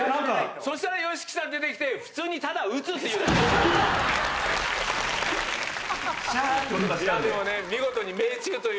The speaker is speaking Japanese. そしたら、ＹＯＳＨＩＫＩさん出てきて、普通にただ撃つっていう。